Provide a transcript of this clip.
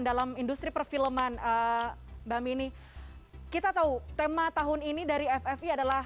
dalam industri perfilman mbak mini kita tahu tema tahun ini dari ffi adalah